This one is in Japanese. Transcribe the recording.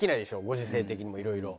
ご時世的にもいろいろ。